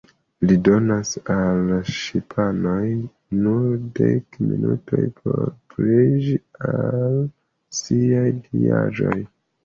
Li donas al la ŝipanoj nur dek minutojn por preĝi al siaj diaĵoj.